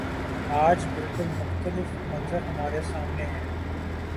آج بالکل مختلف منظر ہمارے سامنے ہے۔